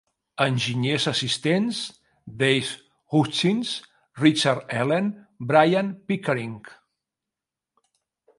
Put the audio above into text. Enginyers assistents: Dave Hutchins, Richard Elen, Brian Pickering.